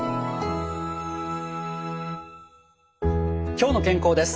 「きょうの健康」です。